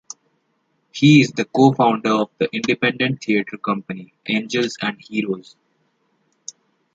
He is the co-founder of the independent theatre company, Angels and Heroes.